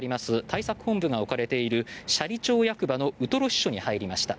対策本部が置かれている斜里町支所のウトロ支所に入りました。